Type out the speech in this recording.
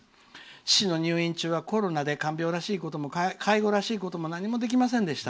父の入院中はコロナで介護らしいことも何もできませんでした。